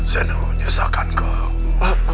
saya tidak mau menyusahkan kau